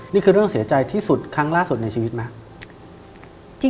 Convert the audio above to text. นี่คือเรื่องเสียใจที่สุดครั้งล่าสุดในชีวิตไหม